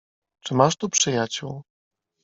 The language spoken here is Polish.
"Czy masz tu przyjaciół?"